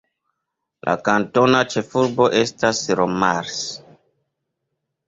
La kantona ĉefurbo estas Le Mars.